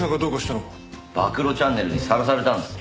暴露チャンネルにさらされたんです。